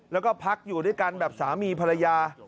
แล้วก็พักอยู่ด้วยกันแบบสามีภรรยา